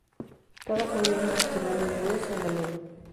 Cada junio hay un festival de "Blues" en Ameno.